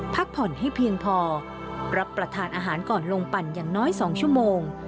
พักผ่อนให้เพียงพอรับประทานอาหารก่อนลงปั่นอย่างน้อย๒ชั่วโมง